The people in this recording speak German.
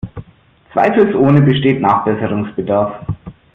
Zweifelsohne besteht Nachbesserungsbedarf.